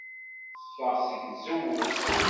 Teffeɣ seg tzewwut.